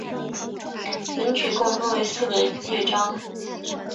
本曲共分为四个乐章。